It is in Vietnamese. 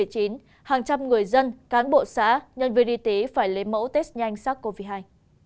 hàng trăm người dân cán bộ xã nhân viên y tế phải lấy mẫu test nhanh sắc covid một mươi chín